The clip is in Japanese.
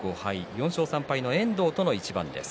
４勝３敗の遠藤との一番です。